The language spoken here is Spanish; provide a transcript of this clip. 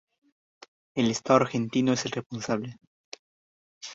El Estado argentino es el responsable".